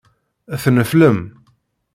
Tneflem.